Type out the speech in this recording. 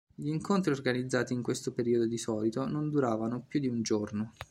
Gli incontri organizzati in questo periodo di solito non duravano più di un giorno.